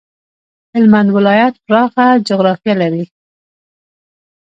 هلمند ولایت پراخه جغرافيه لري.